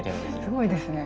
すごいですね。